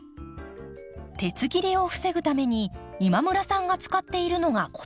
鉄切れを防ぐために今村さんが使っているのがこちら。